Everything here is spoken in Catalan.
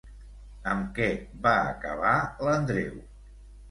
Amb què va acabar l'Andreu?